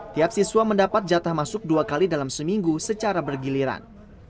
pihak siswa mendapat jatah masuk dua kali dalam seminggu secara bergiliran